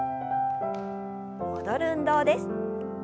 戻る運動です。